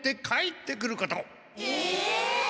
え！？